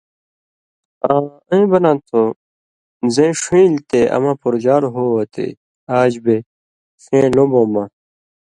آں اېں بنا تُھو: زَیں ݜُون٘یۡلیۡ تے اماں پورژال ہو وتے آژ (بے) ݜېں لومبؤں مہ